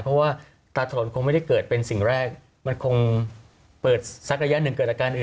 เพราะว่าตาถอนคงไม่ได้เกิดเป็นสิ่งแรกมันคงเปิดสักระยะหนึ่งเกิดอาการอื่น